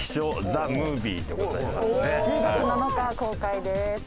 １０月７日公開です。